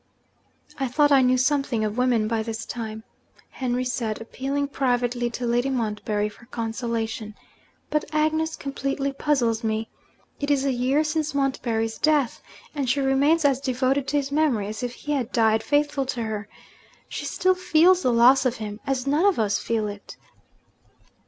'I thought I knew something of women by this time,' Henry said, appealing privately to Lady Montbarry for consolation. 'But Agnes completely puzzles me. It is a year since Montbarry's death; and she remains as devoted to his memory as if he had died faithful to her she still feels the loss of him, as none of us feel it!'